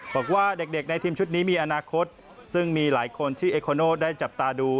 บอกว่าเด็กในทีมชุดนี้มีอนาคตซึ่งมีหลายคนที่เอโคโนได้จับตาดู